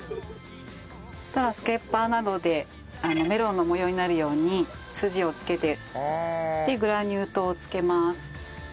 そしたらスケッパーなどでメロンの模様になるように筋をつけてでグラニュー糖をつけます。